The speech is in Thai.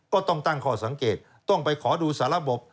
ก็ต้องตั้งข้อสังเกตต้องไปขอดูสารบ